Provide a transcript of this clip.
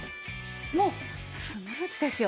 もうスムーズですよ。